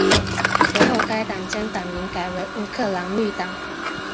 随后该党将党名改为乌克兰绿党。